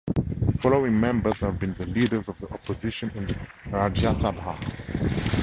Following members have been the Leaders of the Opposition in the Rajya Sabha.